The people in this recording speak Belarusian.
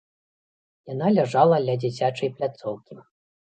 Яна ляжала ля дзіцячай пляцоўкі.